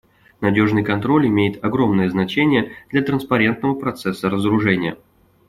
Надежный контроль имеет огромное значение для транспарентного процесса разоружения.